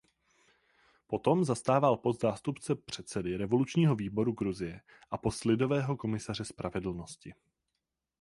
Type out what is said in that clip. Potom zastával post zástupce předsedy revolučního výboru Gruzie a post lidového komisaře spravedlnosti.